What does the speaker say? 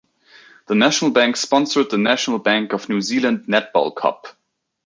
The National Bank sponsored the National Bank of New Zealand Netball Cup.